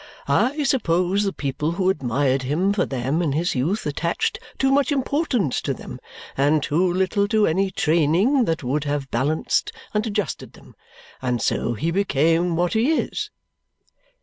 I suppose the people who admired him for them in his youth attached too much importance to them and too little to any training that would have balanced and adjusted them, and so he became what he is.